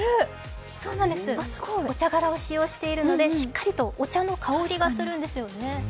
お茶殻を使用しているのでしっかりとお茶の香りがするんですよね。